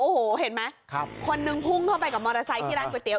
โอ้โหเห็นไหมคนนึงพุ่งเข้าไปกับมอเตอร์ไซค์ที่ร้านก๋วเตี๋